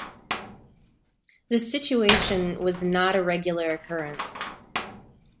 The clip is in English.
The situation was not a regular occurrence.